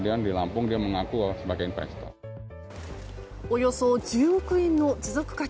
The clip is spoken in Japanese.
およそ１０億円の持続化